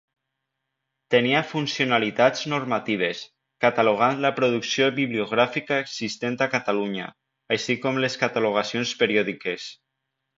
Tenia funcionalitats normatives, catalogant la producció bibliogràfica existent a Catalunya, així com les catalogacions periòdiques.